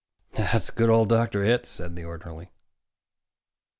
"That's good of Dr. Hitz," said the orderly.